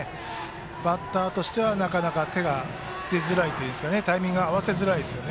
バッターとしてはなかなか手が出づらいというかタイミングを合わせづらいですね。